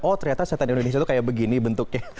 oh ternyata setan indonesia tuh kayak begini bentuknya